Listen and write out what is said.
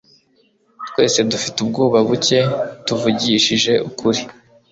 Twese dufite ubwoba buke, tuvugishije ukuri.